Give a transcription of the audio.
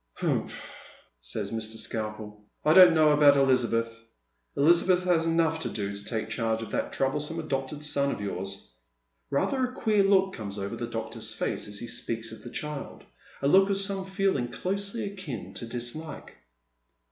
" Humph," says Mr. Skalpel ;" I don't know about Elizabeth. Elizabeth has enough to do to take charge of that troublesome adopted son of yours." Eather a queer look comes over the doctor's face as he speaks of the child — a look of some feeling closely akin to disHke.